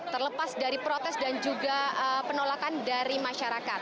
terlepas dari protes dan juga penolakan dari masyarakat